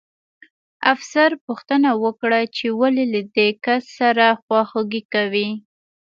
افسر پوښتنه وکړه چې ولې له دې کس سره خواخوږي کوئ